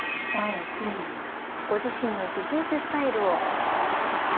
ご自身のビジネススタイルをお聞かせください。